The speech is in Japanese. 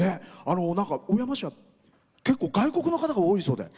小山市は結構外国の方が多いそうで。